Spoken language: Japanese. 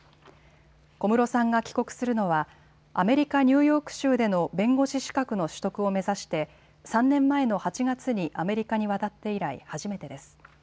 小室さんが帰国するのはアメリカ・ニューヨーク州での弁護士資格の取得を目指して３年前の８月にアメリカに渡って以来、初めてです。